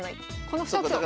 この２つを。